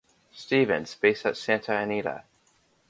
Stevens, based at Santa Anita.